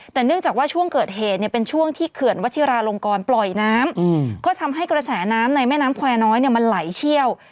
แต่เนื่องจากว่าช่วงเกิดเหตุเนี่ยเป็นช่วงที่เขื่อนวัชิราลงกรปล่อยน้ำก็ทำให้กระแสน้ำในแม่น้ำแควร์น้อยมันไหลเชี่ยว